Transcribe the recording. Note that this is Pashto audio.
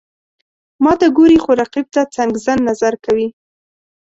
ماته ګوري، خو رقیب ته څنګزن نظر کوي.